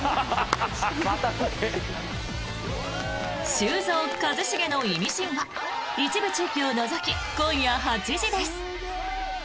「修造＆一茂のイミシン」は一部地域を除き今夜８時です。